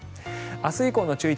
明日以降の注意点